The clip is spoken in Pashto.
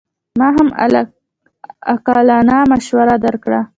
ما هم عاقلانه مشوره درکړه.